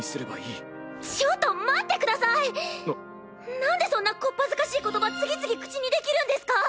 なんでそんな小っ恥ずかしい言葉次々口にできるんですか